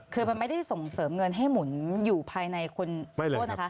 คือมันไม่ได้ส่งเสริมเงินให้หมุนอยู่ภายในคนโทษนะคะ